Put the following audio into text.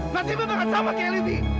maksudnya gue bakal sama kayak livi